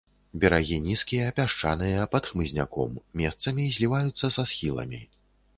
Берагі нізкія, пясчаныя, пад хмызняком, месцамі зліваюцца са схіламі.